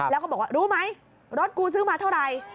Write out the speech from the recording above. แล้วก็บอกว่ารู้ไหมรถกูซื้อมาเท่าไหร่